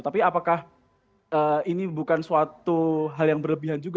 tapi apakah ini bukan suatu hal yang berlebihan juga